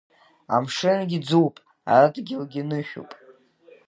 Амшынгьы ӡуп, адгьылгьы нышәуп.